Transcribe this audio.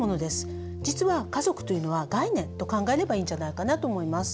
実は家族というのは概念と考えればいいんじゃないかなと思います。